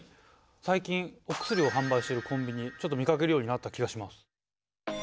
最近お薬を販売しているコンビニちょっと見かけるようになった気がします。